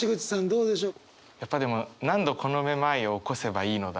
どうでしょう？